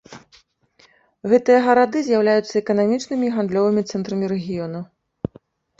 Гэтыя гарады з'яўляюцца эканамічнымі і гандлёвымі цэнтрамі рэгіёна.